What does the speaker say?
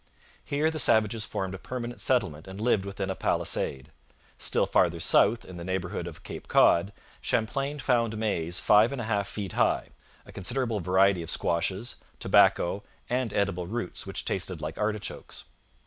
Here the savages formed a permanent settlement and lived within a palisade. Still farther south, in the neighbourhood of Cape Cod, Champlain found maize five and a half feet high, a considerable variety of squashes, tobacco, and edible roots which tasted like artichokes.